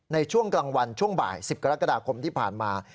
ในช่วงกลางวันช่วงบ่าย๑๐กรกฎาคมที่ผ่านมา